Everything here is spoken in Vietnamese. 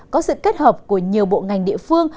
có sự kết hợp của nhiều bộ ngành địa phương